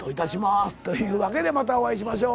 というわけでまたお会いしましょう。